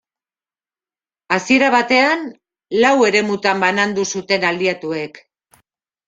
Hasiera batean lau eremutan banandu zuten Aliatuek.